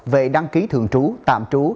về đăng ký thường trú tạm trú